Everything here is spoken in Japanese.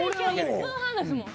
１分半ですもん。